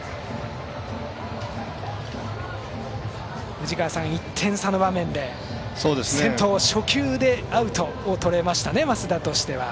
藤川さん、１点差の場面で先頭を初球でアウトをとれましたね、増田としては。